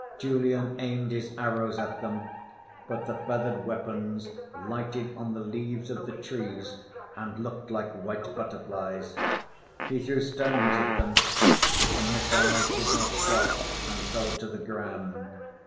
Julian aimed his arrows at them, but the feathered weapons lighted on the leaves of the trees and looked like white butterflies. He threw stones at them; but the missiles did not strike, and fell to the ground.